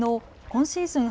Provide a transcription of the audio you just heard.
今シーズン